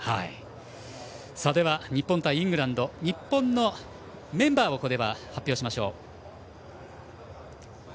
では、日本対イングランド日本のメンバーを発表しましょう。